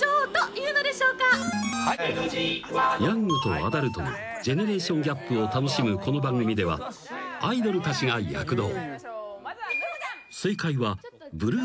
［ヤングとアダルトのジェネレーションギャップを楽しむこの番組ではアイドルたちが躍動］